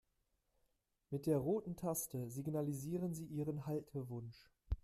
Mit der roten Taste signalisieren Sie Ihren Haltewunsch.